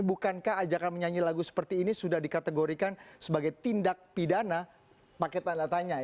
bukankah ajakan menyanyi lagu seperti ini sudah dikategorikan sebagai tindak pidana pakai tanda tanya